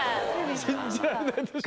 信じられないでしょ。